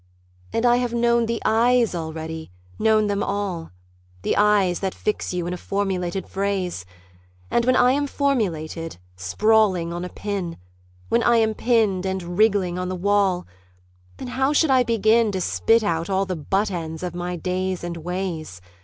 And I have known the eyes already, known them all The eyes that fix you in a formulated phrase, And when I am formulated, sprawling on a pin, When I am pinned and wriggling on the wall, Then how should I begin To spit out all the butt ends of my days and ways?